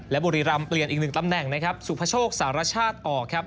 และบุรีรำเปลี่ยนอีกหนึ่งตำแหน่งนะครับสุภโชคสารชาติออกครับ